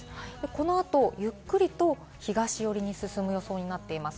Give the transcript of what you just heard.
この後ゆっくりと東寄りに進む予想になっています。